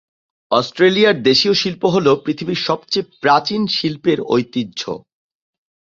অস্ট্রেলিয়ার দেশীয় শিল্প হলো পৃথিবীর সবচেয়ে প্রাচীন শিল্পের ঐতিহ্য।